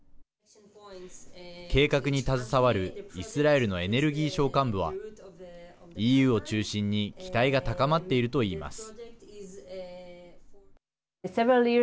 計画に携わるイスラエルのエネルギー省幹部はＥＵを中心に期待が高まっていると言います。